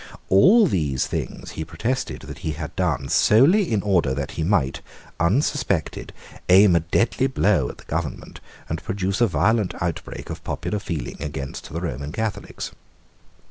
All these things he protested that he had done solely in order that he might, unsuspected, aim a deadly blow at the government, and produce a violent outbreak of popular feeling against the Roman Catholics.